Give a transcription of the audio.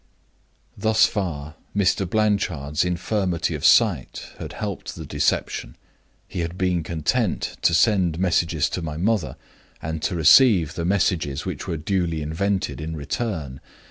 "Thus far Mr. Blanchard's infirmity of sight had helped the deception. He had been content to send messages to my mother, and to receive the messages which were duly invented in return.